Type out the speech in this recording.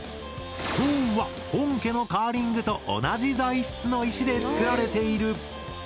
ストーンは本家のカーリングと同じ材質の石で作られている！